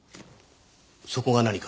そこが何か？